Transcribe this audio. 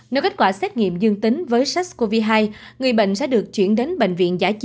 nếu kết quả xét nghiệm dương tính với sars cov hai